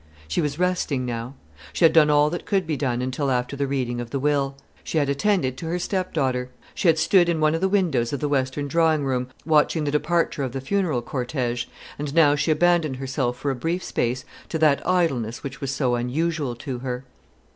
She was resting now. She had done all that could be done until after the reading of the will. She had attended to her stepdaughter. She had stood in one of the windows of the western drawing room, watching the departure of the funeral cortège; and now she abandoned herself for a brief space to that idleness which was so unusual to her.